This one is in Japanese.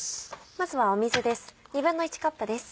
まずは水です。